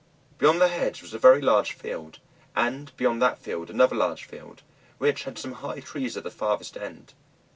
Beyond the hedge was a very large field, and beyond that field another large field, which had some high trees at the farthest end.